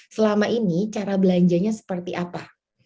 selama ini cara belanjanya seperti apa